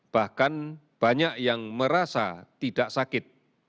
bahkan banyak yang merasa tidak sakit